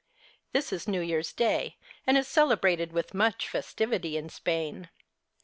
This is New Year's Day, and is celebrated with much festivity in Spain.